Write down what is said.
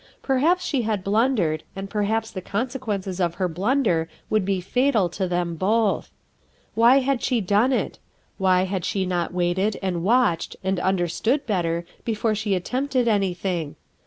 Perhaps she had blundered, and perhaps the consequences of her blunder would be fatal to them both. Why had she done it ? Why had she not waited, and watched, and understood better before she attempted any thing?